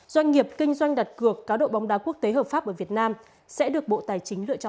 doanh nghiệp kinh doanh đặt cược cá độ bóng đá quốc tế hợp pháp ở việt nam sẽ được bộ tài chính lựa chọn